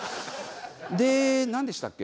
でなんでしたっけ？